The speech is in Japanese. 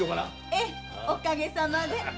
ええおかげさまで！